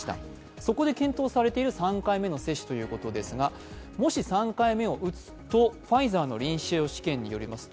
そこで検討されている３回目の接種ということですが、もし３回目を打つと、ファイザーの臨床試験によりますと